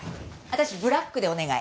私ブラックでお願い。